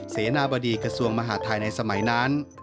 เสนาบดีกระทรวงมหาดไทยในสมัยนั้น